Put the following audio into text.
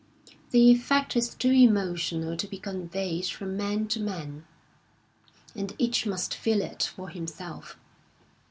The effect is too emotional to be conveyed from man to man, and each must feel it for himself.